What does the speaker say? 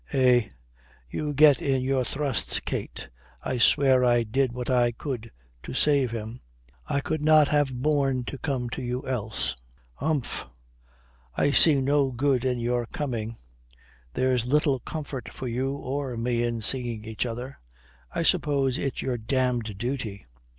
"Eh, you get in your thrusts, Kate, I swear I did what I could to save him." "I could not have borne to come to you else." "Humph. I see no good in your coming. There's little comfort for you or me in seeing each other. I suppose it's your damned duty."